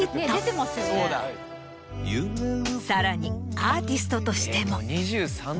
さらにアーティストとしても。